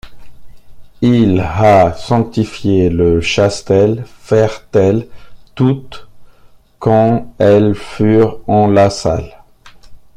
Il ha sanctifié le chastel, feirent-elles toutes quand elles feurent en la salle.